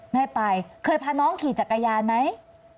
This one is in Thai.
แม่ไปเคยพาน้องขี่จักรยานไหม